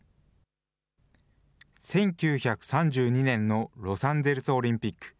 １９３２年のロサンゼルスオリンピック。